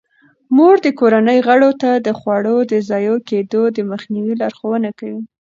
مور د کورنۍ غړو ته د خوړو د ضایع کیدو د مخنیوي لارښوونه کوي.